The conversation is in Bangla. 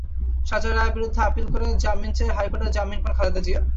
সাজার রায়ের বিরুদ্ধে আপিল করে জামিন চেয়ে হাইকোর্ট জামিন পান খালেদা জিয়া।